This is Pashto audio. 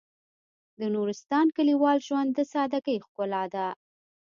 د نورستان کلیوال ژوند د سادهګۍ ښکلا ده.